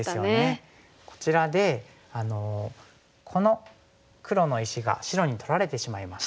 こちらでこの黒の石が白に取られてしまいました。